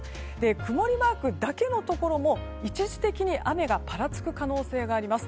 曇りマークだけのところも一時的に雨がぱらつく可能性があります。